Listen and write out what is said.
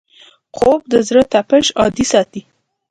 خوب د زړه تپش عادي ساتي